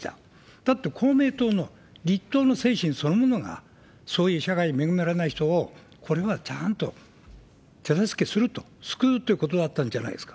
だって、公明党の立党の精神そのものが、そういう社会の恵まれない人をこれはちゃんと手助けすると、救うってことだったんじゃないですか。